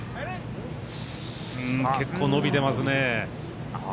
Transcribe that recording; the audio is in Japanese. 結構伸びてますね。